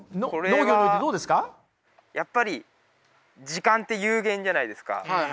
これはやっぱり時間って有限じゃないですか。